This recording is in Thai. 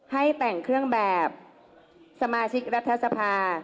ให้แต่งเครื่องแบบสมาชิกรัฐสภา